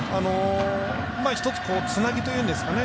１つ、つなぎというんですかね。